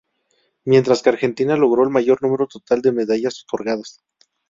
Mientras que Argentina logró el mayor número total de medallas otorgadas.